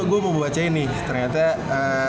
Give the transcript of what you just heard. gua mau ngebaca ini ternyata